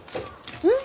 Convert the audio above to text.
うん？